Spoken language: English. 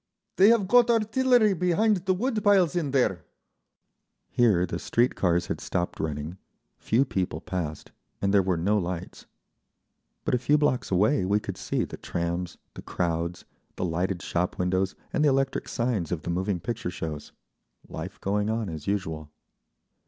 They have got artillery behind the wood piles in there…." Here the street cars had stopped running, few people passed, and there were no lights; but a few blocks away we could see the trams, the crowds, the lighted shop windows and the electric signs of the moving picture shows—life going on as usual.